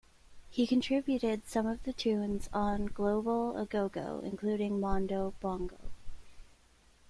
He contributed some of the tunes on "Global A Go-Go", including "Mondo Bongo".